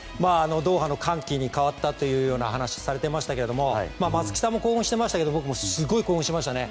ドーハの歓喜に変わったという話をされていましたが松木さんも興奮していましたけど僕もすごい興奮しましたね。